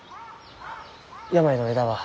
病の枝は？